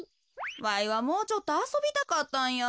わいはもうちょっとあそびたかったんや。